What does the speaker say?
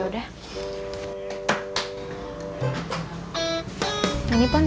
itu gak ada liburnya